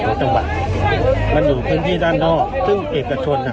จังหวัดมันอยู่พื้นที่ด้านนอกซึ่งเอกชนอ่ะ